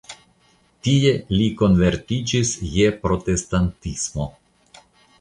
Tie li konvertiĝis je protestantismo.